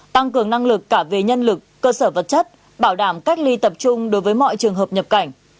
tăng cường năng lực cả về nhân lực cơ sở vật chất bảo đảm cách ly tập trung đối với mọi trường hợp nhập cảnh